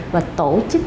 và tổ chức